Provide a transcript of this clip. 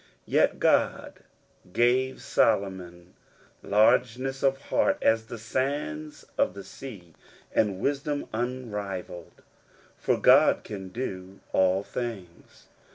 Yet God gave Solomon largeness of heart as the sands of the sea, and wisdom unrivaled ; for God can do all things.